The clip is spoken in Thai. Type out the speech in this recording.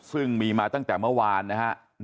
ซึ่งมีมาตั้งแต่เมื่อวานนะฮะ